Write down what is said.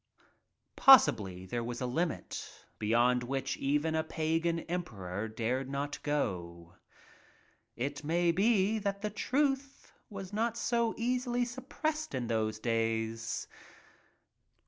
Possibly there was a limit beyond which even a Pagan emperor dared not go. It may be that the truth was not so easily suppressed in those days.